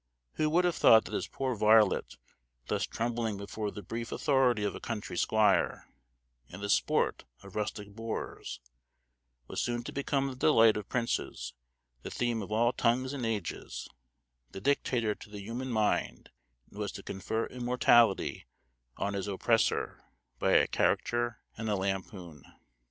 Who would have thought that this poor varlet, thus trembling before the brief authority of a country squire, and the sport of rustic boors, was soon to become the delight of princes, the theme of all tongues and ages, the dictator to the human mind and was to confer immortality on his oppressor by a caricature and a lampoon?